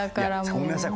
「ごめんなさい